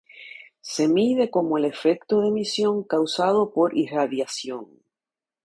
Se mide como el efecto de emisión causado por irradiación.